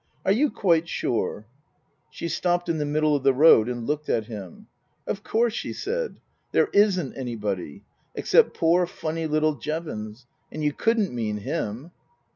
" Are you quite sure ?" She stopped in the middle of the road and looked at me. " Of course," she said. " There isn't anybody. Except poor, funny little Jevons. And you couldn't mean him."